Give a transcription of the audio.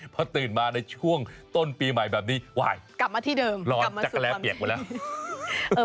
พอตื่นมาในช่วงต้นปีใหม่แบบนี้กลับมาที่เดิมกลับมาสู่ความฝัน